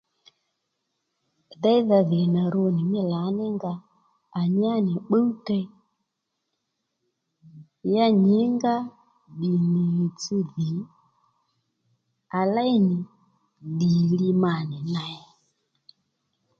Déydha dhì nà rwo nì mí lǎní nga à nyá nì pbúw tey ya nyǐ ngá ddì nì ɦìytss dhì à léy nì ddì li ma nì ney